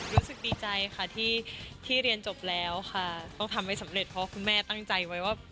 รู้สึกดีใจค่ะที่เรียนจบแล้วค่ะต้องทำให้สำเร็จเพราะคุณแม่ตั้งใจไว้ว่า